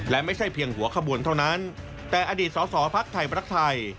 และไม่ใช่เพียงหัวขบวนเท่านั้นแต่อดีตสอสอภักดิ์ไทยรักไทย